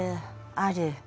ある。